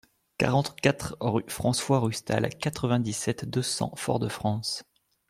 quarante-quatre rue François Rustal, quatre-vingt-dix-sept, deux cents, Fort-de-France